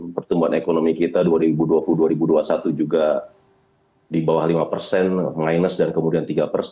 pertumbuhan ekonomi kita dua ribu dua puluh dua ribu dua puluh satu juga di bawah lima persen minus dan kemudian tiga persen